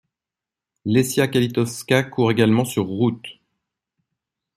Lesya Kalitovska court également sur route.